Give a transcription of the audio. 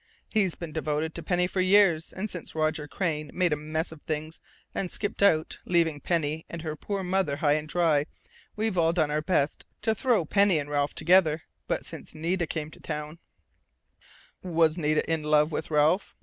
He's been devoted to Penny for years, and since Roger Crain made a mess of things and skipped out, leaving Penny and her poor mother high and dry, we've all done our best to throw Penny and Ralph together. But since Nita came to town " "Was Nita in love with Ralph?"